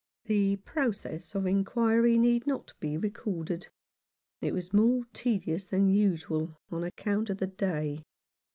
The process of inquiry need not be recorded. It was more tedious than usual on account of the day.